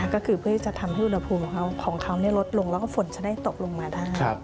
ก็คือเพื่อจะทำให้อุณหภูมิของเขาลดลงแล้วก็ฝนจะได้ตกลงมาได้